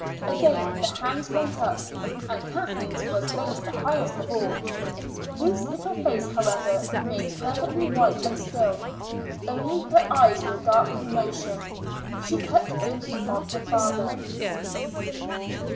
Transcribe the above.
Again the hands went up, and Kathleen's was raised the highest of all. Ruth's little face, however, remained perfectly white and still; only her eyes were dark with emotion. She kept thinking of her father.